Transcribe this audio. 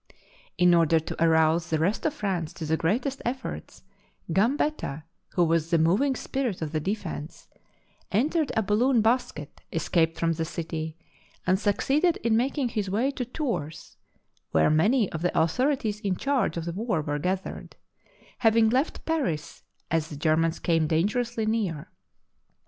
In order to arouse the rest of France to the greatest efforts, Gambetta, who was the moving spirit of the defence, entered a balloon basket, escaped from the city, and suc ceeded in making his way to Tours, where many of the authorities in charge of the war were gathered, having left Paris as the Germans came dangerously near.